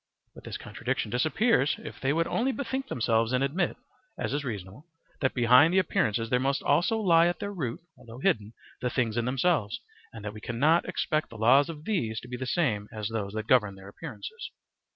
But this contradiction disappears, if they would only bethink themselves and admit, as is reasonable, that behind the appearances there must also lie at their root (although hidden) the things in themselves, and that we cannot expect the laws of these to be the same as those that govern their appearances.